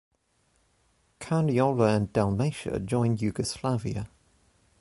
Carniola and Dalmatia joined Yugoslavia.